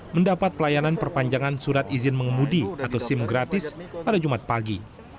mendapat pelayanan perpanjangan surat izin mengemudi atau sim gratis pada jumat pagi